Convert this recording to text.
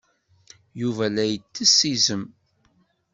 Yuba la ittess iẓem.